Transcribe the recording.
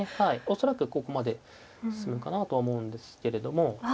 恐らくここまで進むかなとは思うんですけれども。